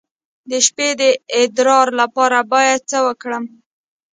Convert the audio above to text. د شپې د ادرار لپاره باید څه وکړم؟